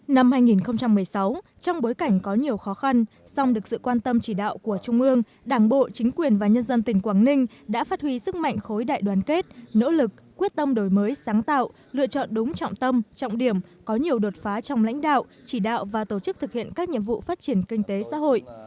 năm hai nghìn một mươi sáu trong bối cảnh có nhiều khó khăn song được sự quan tâm chỉ đạo của trung ương đảng bộ chính quyền và nhân dân tỉnh quảng ninh đã phát huy sức mạnh khối đại đoàn kết nỗ lực quyết tâm đổi mới sáng tạo lựa chọn đúng trọng tâm trọng điểm có nhiều đột phá trong lãnh đạo chỉ đạo và tổ chức thực hiện các nhiệm vụ phát triển kinh tế xã hội